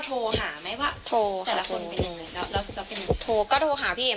พอออกมาไม่ได้มีทางครู